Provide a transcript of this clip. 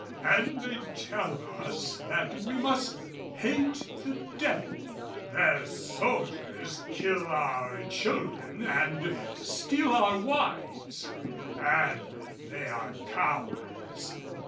And they tell us that we must hate the Devil. Their soldiers kill our children and steal our wives, and they are cowards.